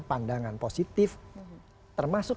pandangan positif termasuk